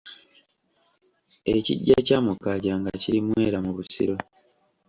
Ekiggya kya Mukaajanga kiri Mwera mu Busiro.